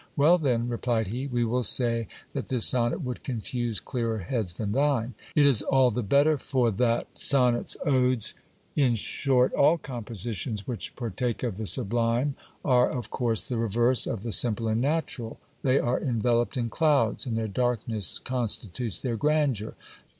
Well, then ! replied he ; we will say that this sonnet would confuse clearer heads than thine : it is all the better for that Sonnets, odes, in short all compositions which par take of the sublime, are of course the reverse of the simple and natural : they are enveloped in clouds, and their darkness constitutes their grandeur.